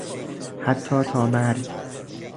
حتی تا مرگ